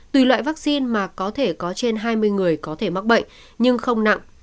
tùy loại vaccine mà có thể có trên hai mươi người có thể mắc bệnh nhưng không nặng